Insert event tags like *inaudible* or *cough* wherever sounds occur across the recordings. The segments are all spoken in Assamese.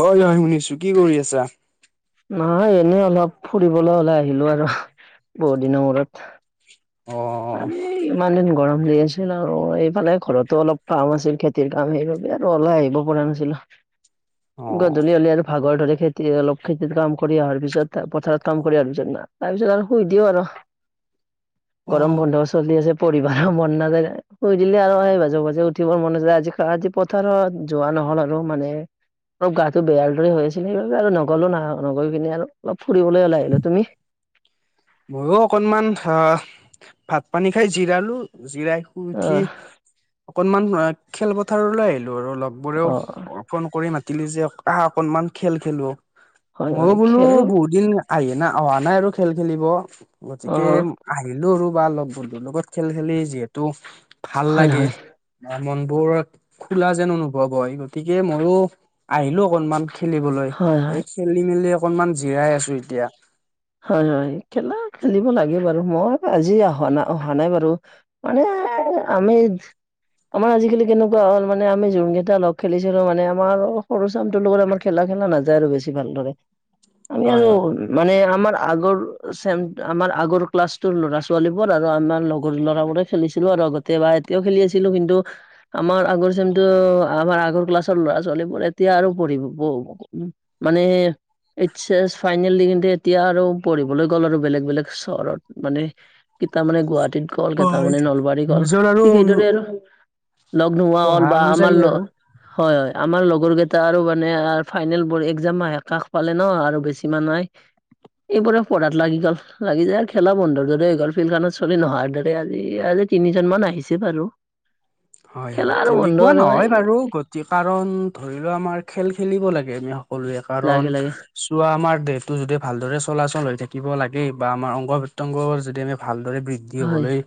অ হয় শুনিছো কি কৰি আছা। নহয় এনেই অলপ ফুৰিবলৈ ওলাই আহিলো আৰু বহুত দিনৰ মূৰত। অ আৰু ইমান দিন গৰম দি আছিল আৰু এইফালে ঘৰতো অলপ কাম আছিল খেতিৰ কাম সেইবাবে আৰু ত ওলাই আহিব পৰা নাছিলো। *inaudible* অ গধূলি হ'লে আৰু ভাগৰ ধৰে খেতি অলপ খেতিত কাম কৰি অহাৰ পিছত পথাৰত কাম কৰি অহাৰ পিছত তাৰপিছত আৰু শুই দিও আৰু গৰম অ'। বন্ধ চলি আছে পঢ়িবাৰো মন নাযায় শুই দিলে আৰু হেই মাজে মাজে উঠিবৰ মন নাযায় আজি আজি প থাৰত যোৱা নহ'ল আৰু মানে অলপ গাটো বেয়াৰ দৰে হৈ আছিল সেইবাবে আৰু নগলো না নগৈ পিনে আৰু অলপ ফুৰিবলৈ ওলাই আহিলো তুমি মইয়ো অকনমান আহ ভাত পানী খাই জিৰালো জিৰাই শুই তুমি উঠি অকনমান খেলপথাৰলৈ আহিলো আৰু অ', লগবোৰেও অ'। ফোন কৰি মাতিলে যে আহা অকনমান খেল খেলো হয়, মইও হয়, বোলো খেল বহুত দিন আহি না অহা নাই আৰু খেল খেলিব গতিকে অ', আহিলো আৰু বা লগ বন্ধুৰ লগত খেল খেলি যিহেতু ভাল হয়, লাগে হয়, অ মনবোৰ খোলা যেন অনুভৱ হয় গতিকে মইয়ো আহিলো অকনমান খেলিবলৈ হয়, এই হয়, খেলি মেলি অকনমান জিৰাই আছো এতিয়া হয় হয় খেলা খেলিব লাগে বাৰু মই আজি অহা না অহা নাই বাৰু মানে আমি আমাৰ আজিকালি কেনেকোৱা হ'ল মানে আমি যোন কেইটা লগ খেলিছিলো মানে আমাৰ সৰু চামটোৰ লগত আমাৰ খেলা খেলা নাযায় আৰু বেছি ভালদৰে উ *unintelligible* আমি আৰু মানে আমাৰ আগৰ চেম আমাৰ আগৰ ক্লাছতোৰ ল'ৰা ছোৱালী বোৰ আৰু আন আন লগৰ লৰাবোৰে খেলিছিলো আৰু আগত কেতিয়াবা এতিয়াও খেলি আছিলো কিন্তু আমাৰ আগৰ চেমতো আমাৰ আগৰ ক্লাছৰ ল'ৰা ছোৱালীবোৰ এতিয়া আৰু পঢ়িব ব উ মানে এইচ এছ ফাইনেল দি কিনি এতিয়া আৰু পঢ়িবলৈ গ'ল আৰু বেলেগ বেলেগ চহৰত মানে এতিয়া মানে গুৱাহাটীত গল কেইটা হয় মানে নলবাৰী গল নিজৰ আৰু ঠিক সেইদৰে আৰু লগ নোহোৱা পঢ়া হ'ল বা অনুযায়ী আমাৰ ল আৰু হয় হয় আমাৰ লগৰ কেইটা আৰু মানে ফাইনেল বোৰ একজাম ফাইনেল কাষ পালে ন আৰু বেছি মাহ নাই এইবোৰে পঢ়াত লাগি গ'ল লাগি যায় আৰু খেলা বন্ধৰ দৰে হৈ গ'ল ফিল্ড খনত চলি নহাৰ দৰে আজি আজি তিনিজনমান আহিছে বাৰু *inaudible* হয় খেলা হয় আৰু বন্ধ তেনেকোৱা আৰু নহয় বাৰু গতি কাৰণ ধৰি লোৱা আমাৰ খেল খেলিব লাগে আমি সকলোৱে কাৰণ লাহে লাহে চোৱা আমাৰ দেহটো যদি ভালদৰে চলাচল হৈ থাকিব লাগে বা আমাৰ অংগ প্ৰত্যংগ যদি আমি ভালদৰে বৃ দ্ধি হয়, হবলৈ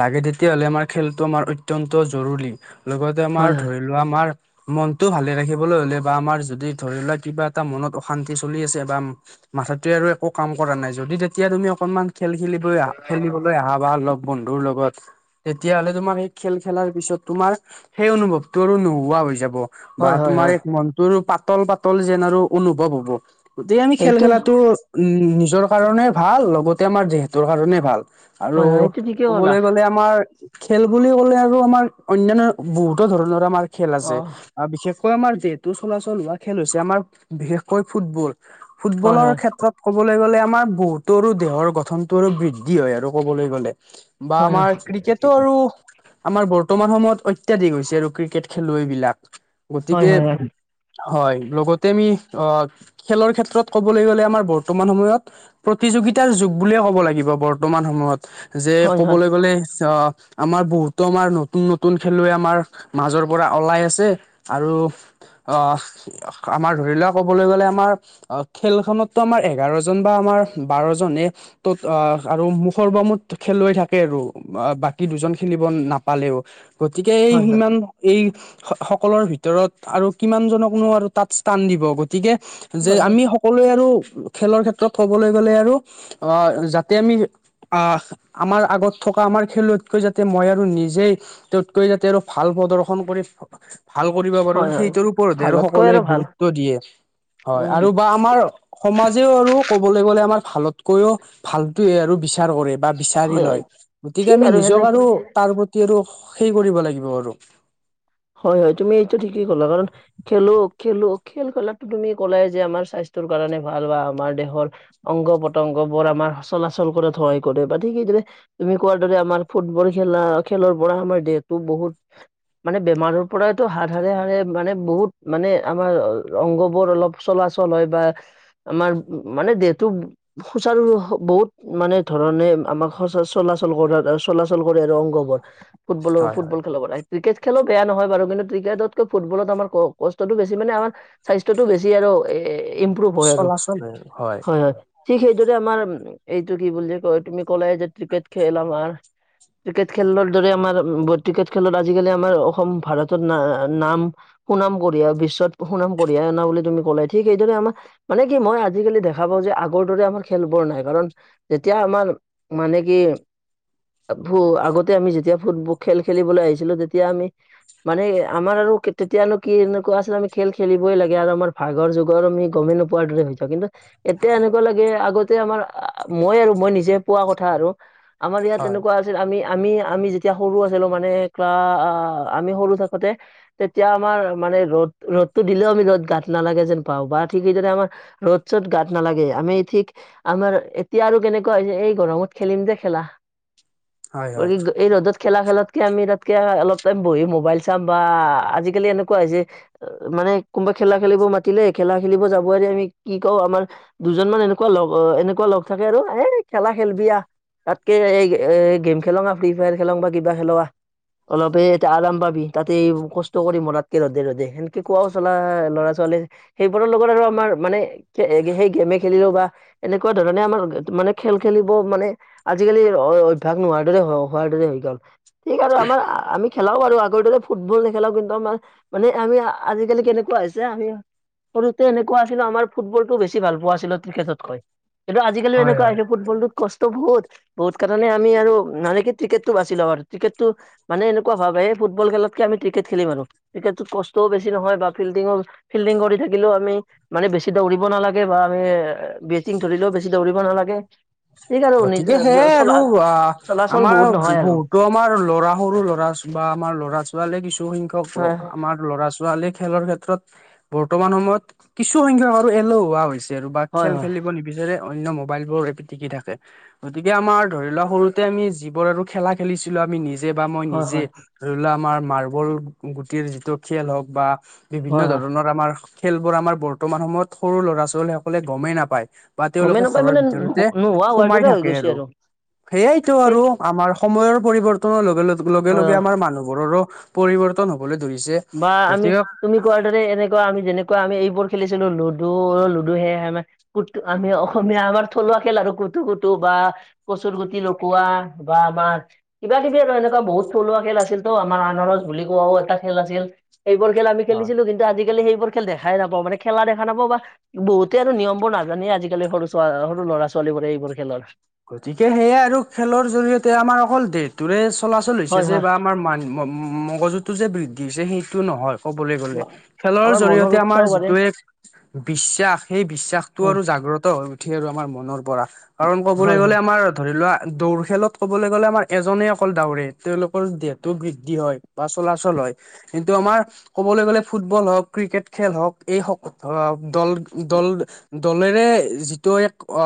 লাগে তেতিয়াহলে আমাৰ খেলটো আমাৰ অত্যন্ত জৰুৰী লগতে আমাৰ হয়, হয়, ধৰি লোৱা আমাৰ মনটো ভালে ৰাখিবলৈ হলে বা আমাৰ যদি ধৰি লোৱা কিবা এটা মনত অশান্তি চলি আছে বা মাথাটোৱে আৰু একো কাম কৰা নাই যদি তেতিয়া তুমি অকনমান খেল খেলিব আ খেলিবলৈ আহা বা লগ বন্ধুৰ লগত তেতিয়া হ'লে তোমাৰ সেই খেল খেলাৰ পিছত তোমাৰ সেই অনুভৱটো আৰু নোহোৱা হৈ যাব বা হয়, হয়, তোমাৰ হয়, এ মন টোৰ পাতল পাতল যেন আৰু অনুভৱ হ'ব গতিকে আমি খেল সেইটো খেলাটো উম নিজৰ কাৰণে ভাল লগতে আমাৰ দেহটোৰ কাৰণে ভাল আৰু হয়, হয়, সেইটো ঠিকেই ক'লা ক'বলৈ গ'লে আমাৰ খেল বুলি ক'লে আৰু আৰু আমাৰ অন্যান্য বহুতো ধৰণৰ আমাৰ খেল আছে অ', হি', আ বিশেষকৈ আমাৰ যিহেতু চলাচল হোৱা খেল হৈছে আমাৰ বিশেষকৈ ফুটবল হয়, ফুটবলৰ হয়, ক্ষেত্ৰত', ক'বলৈ গ'লে আমাৰ বহুতৰো দেহৰ গঠনতটো আৰু বৃদ্ধি হয় আৰু ক'বলৈ গ'লে', বা হয়, হয়, আমাৰ ক্ৰিকেটটো আৰু', আমাৰ বৰ্তমান সময়ত অত্যাধিক হৈছে আৰু ক্ৰিকেট খেলুৱৈবিলাক হয়, গতিকে', হয়, হয়, হয়, হয়', লগতে আমি অ', খেলৰ ক্ষেত্ৰত ক'বলৈ গ'লে আমাৰ বৰ্তমান সময়ত', প্ৰতিযোগিতাৰ যুগ বুলিয়ে ক'ব লাগিব বৰ্তমান সময়ত', যে', হয়, হয়, কবলৈ গ'লেই চাহ আমাৰ বহুত', ত', আমাৰ নতুন-নতুন খেলুৱৈ আমাৰ মাজৰ পৰা ওলাই আছে আৰু', অহ', আমাৰ ধৰি লোৱা ক'বলৈ গ'লে আমাৰ', অহ', খেলখনতো আমাৰ এঘাৰ জন বা আমাৰ বাৰ জনে', তত', আহ', আৰু মুখৰবমত খেলুৱাই থাকে আৰু বা', - বাকি দুজন খেলি', ৰন নাপালেওঁ গতিকে এই হয়, সিমান', এই, স', - সকলৰ ভিতৰত আৰু কিমান জনকনো আৰু তাত স্থান দিব গতিকে', যে হয়, আমি সকলোৱে আৰু খেলৰ ক্ষেত্ৰত ক'বলৈ গ'লে আৰু আহ', যাতে আমি', আহ', আমাৰ আগত থকা আমাৰ খেলুৱৈতকৈ যাতে', তে', মই আৰু নিজেই তেওঁতকৈ যাতে আৰু ভাল প্ৰদৰ্শন কৰি', ভাল কৰিব পাৰোঁ হয়, হয়। সেইটোৰ ওপৰতহে আৰু ভালতকৈ সকলোৱে ভাল গুৰুত্ব দিয়ে, হয় উম, আৰু বা', আমাৰ সমাজেও আৰু ক'বলৈ গ'লে আমাৰ ভালতকৈও ভালটোৱে আৰু বিচাৰ কৰে', বা', বিচাৰি হয়, হয়, লয়, গতিকে ঠিক আমি নিজক আৰু সেনেকৈ তাৰ প্ৰতি আৰু হ', - সেই কৰিব লাগিব আৰু', হয়', - হয়', তুমি এইটো ঠিকেই ক'লা কাৰণ', খেলো', -খেলো', -খেল', -খেলাতো তুমি ক'লাই যে, আমাৰ স্বাস্থ্যৰ কাৰণে ভাল বা আমাৰ দেহৰ', অংগ পতংগ বোৰ আমাৰ স চলাচল কৰাত সহায় কৰে বা ঠিক সেইদৰে', তুমি কোৱাৰ দৰে আমাৰ ফুটবল খেলা, খেলৰ পৰাহ আমাৰ দেহটো বহুত', মানে বেমাৰৰ পৰাইতো হাত সাৰে', -সাৰে, মানে বহুত মানে আমাৰ অংগবোৰ অলপ', চলাচল হয় বা আমাৰ উম', মানে দেহটো', সুচাৰুহ বহুত মানে ধৰণে আমাক সচ চলাচল কৰা আৰু চলাচল', চলাচল কৰে আৰু অংগবোৰ ফুটবলৰ হয় হয় ফুটবল খেলৰ লাগে, ক্ৰিকেট', খেলো বেয়া নহয় বাৰু কিন্তু ক্ৰিকেটটোতকৈ ফুটবলত আমাৰ ক', -কষ্টটো বেছি মানে আমাৰ', স্বাস্থ্যটো বেছি আৰু এ', -এ', -এ', ইম্প্ৰুভ হয় আৰু, চলাচল হয় হয়', - হয়', ঠিক সেইদৰে আমাৰ এইটো কি বুলি কয় তুমি ক'লাই যে ক্ৰিকেট খেল আমাৰ', ক্ৰিকেট খেলৰ দৰে আমাৰ বহ', ক্ৰিকেট খেলত আজিকালি', ন', অসম ভাৰতৰ না', - নাম', সুনাম কঢ়িয়া, বিশ্বত সুনাম কঢ়িয়াই অনা বুলি তুমি কলাই, ঠিক সেইদৰে আমাৰ', মানে কি মই আজিকালি দেখা পাওঁ যে', আগৰ দৰে আমাৰ খেলবোৰ নাই কাৰণ', তেতিয়া আমাৰ মানে কি? অ', ভো', আগতে আমি যেতিয়া ফুটবোক খেল খেলিবলৈ আহিছিলোঁ তেতিয়া আমি', মানে আমাৰ আৰু কে', - তেতিয়ানো কি এনেকুৱা আছিল আমি খেল খেলিবই লাগে আৰু আমাৰ ভাগৰ যুগৰ আমি গমেই নাপায়', পৰা', হৈছা কিন্তু', এতিয়া এনেকুৱা লাগে আগতে আমাৰ আ', মই আৰু মই নিজে পোৱা কথা আৰু', আমাৰ ইয়াত হয় তেনেকুৱা আছিল আমি', -আমি', -আমি যেতিয়া সৰু আছিলোঁ মানে ক্লাচ', আহ', -আহ', আমি সৰু থাকোঁতে? তেতিয়া আমাৰ মানে ৰ'দ', - ৰ'দটো দিলেও আমি ৰ'দ গাত নালাগে যেন পাওঁ বা ঠিক সেইদৰে আমাৰ', ৰ'দ চ'ত গাত নালাগে আমি ঠিক', আমাৰ এতিয়া আৰু কেনেকুৱা হৈছে এই গৰমত খেলিম যে খেলা', হয় হয় গ', এই ৰ'দত খেলা খেলতকে আমি তাতকে অলপ', তাত', বহি মোবাইল চাম বা আজিকালি এনেকুৱা হৈছে', অ', মানে কোনোবা খেলা খেলিব মাতিলে খেলা খেলিব যাব আমি কি কওঁ আমাৰ', দুজনমান এনেকুৱা লগ এনেকুৱা লগ থাকে আৰু এ খেলা খেলিবি আ তাতকে এই এ গেম খেলং আ ফ্ৰী ফায়াৰ খেলং বা কিবা খেলোং আহ। পেট আৰাম পাবি তাতে কষ্ট কৰি মৰাতকে ৰ'দে', - ৰ'দে', সেনেকে কোৱা চালা ল'ৰা ছোৱালী', সেইবোৰৰ লগত আৰু আমাৰ মানে কে', সেই গেমে খেলিলোঁ বা', এনেকুৱা ধৰণে আমাৰ মানে খেল খেলিবও মানে আজিকালি অ অভ্যাস নোৱাৰ দৰে হ হোৱাৰ দৰে হৈ গল, ঠিক আৰু আমাৰ আ আমি খেলাও আৰু আগৰ দৰে ফুটবল নেখেলাও কিন্তু আমাৰ মানে আমি আ আজিকালি কেনেকুৱা হৈছে আমি সৰুতে এনেকুৱা আছিলো আমাৰ ফুটবলটো বেছি ভালপোৱা আছিলো ট্ৰিকেটতকৈ। কিন্তু আজিকালি হয় এনেকুৱাহ হয় হৈছে ফুটবলটো কষ্ট বহুত, বহুত কাৰণে আমি আৰু মানে কি টিকেটতটো বাচি লওঁ আৰু টিকেটটো মানে এনেকুৱা কোৱা ভাৱে এই ফুটবল খেলতকে আমি ক্ৰিকেট খেলিম আৰু। ক্ৰিকেটটোত কষ্টও বেছি নহয় বা ফিল্ডিঙৰ ফিল্ডিং কৰি থাকিলেও আমি মানে বেছি দৌৰিব নালাগে বা আমি বেটিং ধৰিলেও বেছি দৌৰিব নালাগে। ঠিক আৰু নিজ গতিকে সেয়াই চলা আৰু আ চলাচল আমাৰ বহুত নহয় আৰু বহুতৰ আমাৰ ল'ৰা সৰু ল'ৰা বা আমাৰ ল'ৰা-ছোৱালী কিছু সংখ্যক ল হয় আমাৰ ল'ৰা-ছোৱালীয়ে খেলৰ ক্ষেত্ৰত বৰ্তমান সময়ত কিছু সংখ্যক আৰু এলহুৱা হৈছে। বা হয় খেল হয় খেলিব নিবিচাৰে অন্য মোবাইলবোৰ এ পিটিকি থাকে। গতিকে আমাৰ ধৰি লোৱা সৰুতে আমি যিবোৰ আৰু খেলা খেলিছিলো আমি নিজে বা মই হয় নিজে। হয় ধৰি লোৱা আমাৰ মাৰ্বল গুটিৰ যিটো খেল হওক বা বিভিন্ন হয় হয় ধৰণৰ আমাৰ খেলবোৰ আমাৰ বৰ্তমান সময়ত সৰু ল'ৰা ছোৱালীসকলে গমেই নাপায়। বা গমেই তেওঁলোকে নাপায় ঘৰৰ মানে ভিতৰতে নোহোৱা হোৱাৰ সোমাই দৰে হৈ থাকে গৈছে আৰু সেইয়াইতো সেই আৰু আমাৰ সময়ৰ পৰিৱৰ্তনৰ লগে লগ লগে হয় লগে আমাৰ হয় মানুহবোৰৰো পৰিৱৰ্তন হবলৈ ধৰিছে। বা আমি গতিকে তুমি কোৱাৰ দৰে এনেকুৱা আমি যেনেকুৱা আমি এইবোৰ খেলিছিলো লুডু, লুডু সেয়া আমাৰ কুুট আমি অসমীয়া আমাৰ থলুৱা খেল আৰু কুটু কুটু বা কচুৰ গুটি লুকুৱা বা আমাৰ কিবা-কিবি আৰু এনেকুৱা বহুত থলুৱা খেল আছিল তো আমাৰ *unintelligible* বুলি কোৱাও এটা খেল আছিল সেইবোৰ খেল আমি হয় খেলিছিলোঁ কিন্তু আজিকালি সেইবোৰ খেল দেখাই নাপাওঁ মানে খেলা দেখা নাপাওঁ বা বহুতে আৰু নিয়মবোৰ নাজানেই আজিকালি সৰু ছোৱা সৰু ল'ৰা ছোৱালীবোৰে এইবোৰ খেলৰ। গতিকে সেয়াই আৰু খেলৰ জৰিয়তে আমাৰ অকল দেহ টোৰে চলাচল হৈছে হয় যে হয় বা আমাৰ মাইন মগজুটো যে বৃদ্ধি হৈছে সেইটো নহয়। ক'বলৈ গ'লে খেলৰ আমাৰ মনৰ জৰিয়তে আমাৰ উৎসাহও বাঢ়ে যিটোৱে বিশ্বাস সেই বিশ্বাসটো হয় আৰু জাগ্ৰত হৈ উঠি আৰু আমাৰ মনৰ পৰা। *inaudible* বুলি গলে আমাৰ আমাৰ ধৰি লোৱা দৌৰ খেলত ক'বলৈ গলে আমাৰ এজনেই অকল দাউৰে তেওঁলোকৰ দেহতো বৃদ্ধি হয়। বা চলাচল হয় কিন্তু আমাৰ ক'বলৈ গ'লে ফুটবল হওক ক্ৰিকেট খেল হওক এই সকলো দল, দল দলেৰে যিটো এক অ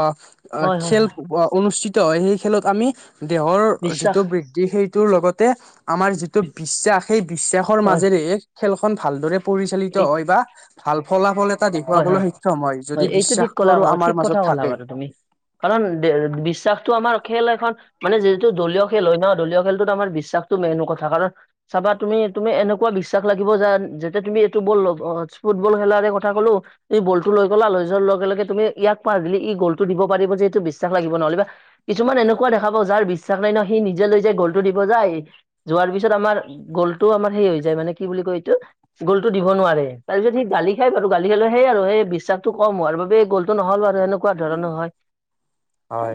হয় হয় হয়। অনুষ্ঠিত হয় সেই খেলত আমি দেহৰ বিশ্বাস যিটো বৃদ্ধি সেইটোৰ লগতে আমাৰ যিটো বিশ্বাস সেই বিশ্বাসৰ হয় মাজেৰে খেলখন ভালদৰে পৰিচালিত এই হয় বা ভাল ফলাফল এটা হয় হয় দেখুৱাবলৈ সক্ষম হয় যদি এইটো ঠিক বিশ্বাসটো ক'লা আৰু ক আমাৰ ঠিক কথা মাজত ক'লা থাকে। বাৰু তুমি। কাৰণ বিশ্বাসটো আমাৰ খেল এখন মানে যিহেতু দলীয় খেল হয় ন দলীয় খেলটোত আমাৰ বিশ্বাসটো মেইন কথা কাৰণ চাবা তুমি তুমি এনেকুৱা বিশ্বাস লাগিব যে যাতে তুমি এইটো বল ফুটবল খেলাৰে কথা থা কলো। এই বলটো লৈ গলা লৈ যোৱাৰ লগে লগে তুমি ইয়াক পাহিলি ই গলটো দিব পাৰিব যে এইটো বিশ্বাস লাগিব নহলে বা কিছুমান এনেকুৱা দেখাব যাৰ বিশ্বাস নাই ন সি নিজে লৈ যায় গ'লটো দিব যায়। যোৱাৰ পিছত আমাৰ গ'লটোও আমাৰ সেই হৈ যায় মানে কি বুলি কয় এইটো গ'লটো দিব নোৱাৰে তাৰপিছত সি গালি সেই বাৰু গালি খেলো সেই আৰু সেই বিশ্বাসটো কম হোৱাৰ বাবে গলটো নহল আৰু সেনে কুৱা ধৰণৰ হয়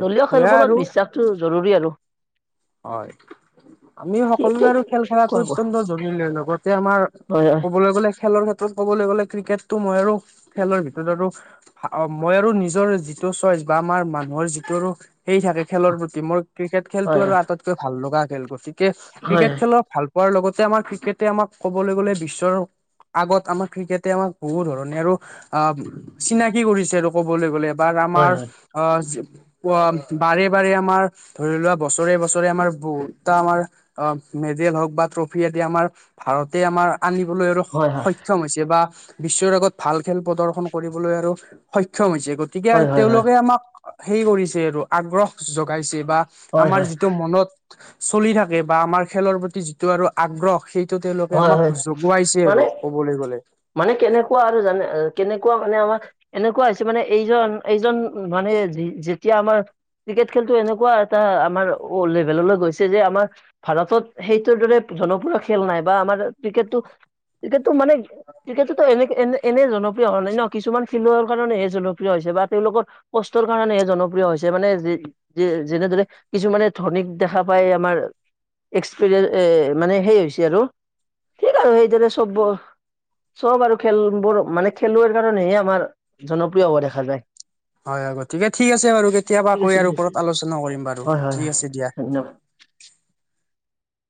দলীয় সেয়া আৰু খেলবোৰত বিশ্বাসটো জৰুৰী আৰু। হয়। আমি সকলোৱে ঠিকেই আৰু খেল খেলাটো কোৱা কোৱা অত্যন্ত জৰুৰী লগতে আমাৰ হয় কবলৈ গলে খেলৰ ক্ষেত- ক'বলৈ গ'লে ক্ৰিকেটটো মই আৰু খেলৰ ভিতৰত আৰু অ মই আৰু নিজৰ যিটো চইচ বা আমাৰ মানুহৰ যিটো আৰু সেই থাকে খেলৰ প্ৰতি মই ক্ৰিকেট খেলটো হয় হয় আৰু আটাইতকৈ ভাল লগা খেল গতিকে হয় ক্ৰিকেট খেলৰ ভাল হোৱাৰ লগতে আমাৰ ক্ৰিকেটে আমাক ক'বলৈ গ'লে বিশ্বৰ আগত আমাৰ ক্ৰিকেটে আমাক বহুত ধৰণে আৰু অ চিনাকি কৰিছে আৰু ক'বলৈ গলে বা হয় আমাৰ হয় অ অ বাৰে বাৰে আমাৰ ধৰি লোৱা বছৰে বছৰে আমাৰ বহুতটা আমাৰ অ মেডেল হওক বা ট্ৰফি আদি আমাৰ ভাৰতে আমাৰ আনিবলৈ আৰু হয় হয় সক্ষম হৈছে বা বিশ্বৰ আগত ভাল খেল প্ৰদৰ্শন কৰিবলৈ আৰু সক্ষম হৈছে গতিকে হয় হয় তেওঁলোকে আমাক হেৰি কৰিছে আৰু আগ্ৰহ জগাইছে বা হয় হয় টো মনত চলি থাকে বা আমাৰ খেলৰ প্ৰতি যিটো আৰু আগ্ৰহ সেই টো তেওঁলোকে হয় আমাক হয় জগোৱাইছে আৰু মানে ক'বলৈ গ'লে। মানে কেনেকুৱা আৰু জানে কেনেকুৱা মানে আমাৰ এনেকুৱা হৈছে মানে এইজন এইজন মানে যেতিয়া আমাৰ ক্ৰিকেট খেলটো এনেকুৱা এটা আমাৰ ৱল্ড লেভেললৈ গৈছে যে আমাৰ ভাৰতত সেইটোৰ দৰে জনপ্ৰিয় খেল নাই। বা আমাৰ ক্ৰিকেটটো ক্ৰিকেটটোত এনেকে এনে এনে জন- প্ৰিয় হোৱা নাই ন। কিছুমান চিলোৱাৰ কাৰণেহে জনপ্ৰিয় হৈছে বা তেওঁলোকৰ কষ্টৰ কাৰণেহে জনপ্ৰিয় হৈছে মানে যে ই- যে যেনেদৰে কিছুমানে ধনিক দেখা পায় আমাৰ এক্সপেৰিয়ে এ মানে সেই হৈছে আৰু ঠিক আৰু সেইদৰে চব চব আৰু খেলবোৰ মানে খেলুৱৈৰ কাৰণেহে আমাৰ জনপ্ৰিয় হোৱা দেখা যায়। হয় হয় ঠিক আছে বাৰু কেতিয়াবা ঠিক আকৌ আছে ইয়াৰ ঠিক আছে ওপৰত আলোচনা কৰিম বাৰু হয় হয় হয় ঠিক আছে দিয়া। ধন্যবাদ